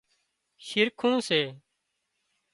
شِرکُون سي